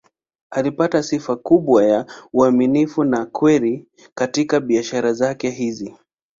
Alipata sifa kubwa ya uaminifu na ukweli katika biashara zake hizi.